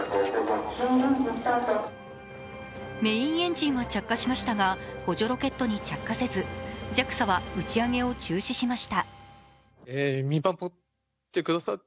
メインエンジンは着火しましたが補助ロケットに着火せず、ＪＡＸＡは打ち上げを中止しました。